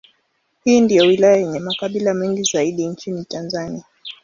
Hii ndiyo wilaya yenye makabila mengi zaidi nchini Tanzania.